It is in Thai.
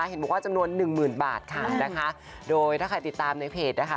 เห็นบอกว่าจำนวนหนึ่งหมื่นบาทค่ะนะคะโดยถ้าใครติดตามในเพจนะคะ